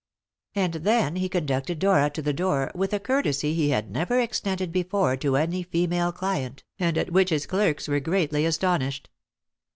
And then he conducted Dora to the door with a courtesy he had never extended before to any female client, and at which his clerks were greatly astonished.